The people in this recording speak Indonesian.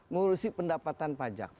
ngurusin pendapatan pajak